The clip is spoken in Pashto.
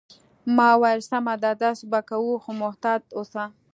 ما وویل: سمه ده، داسې به کوو، خو محتاط اوسه.